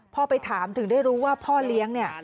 พอไปถามถึงได้รู้ว่าพ่อเลี้ยงเนี่ย